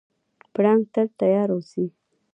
پړانګ تل تیار اوسي.